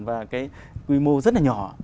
và cái quy mô rất là nhỏ